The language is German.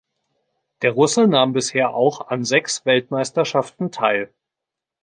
Der Russe nahm bisher auch an sechs Weltmeisterschaften teil.